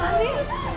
marni ya allah